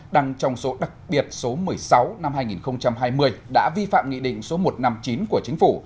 đăng trong số đặc biệt số một mươi sáu năm hai nghìn hai mươi đã vi phạm nghị định số một trăm năm mươi chín của chính phủ